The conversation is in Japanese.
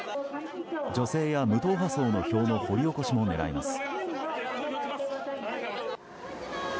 女性や無党派層の票の掘り起こしも狙います。